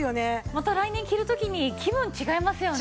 また来年着る時に気分違いますよね。